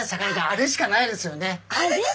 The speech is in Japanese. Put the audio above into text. あれしかないですよね。